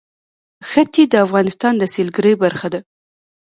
ښتې د افغانستان د سیلګرۍ برخه ده.